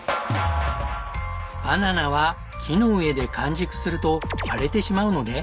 バナナは木の上で完熟すると割れてしまうので。